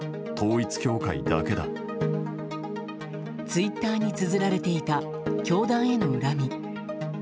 ツイッターにつづられていた教団への恨み。